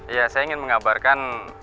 iya saya ingin mengabarkan